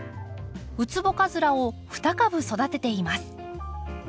ウツボカズラを２株育てています。